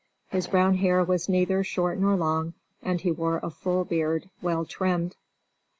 His brown hair was neither short nor long, and he wore a full beard, well trimmed.